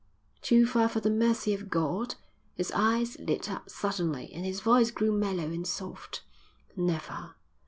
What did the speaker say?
"Too far for the mercy of God?" His eyes lit up suddenly and his voice grew mellow and soft. "Never.